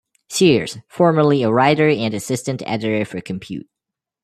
Sears, formerly a writer and assistant editor for Compute!